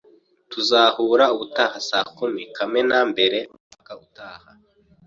Tuzahura ubutaha saa kumi, Kamena mbere, umwaka utaha